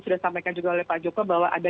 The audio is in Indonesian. sudah sampaikan juga oleh pak joko bahwa ada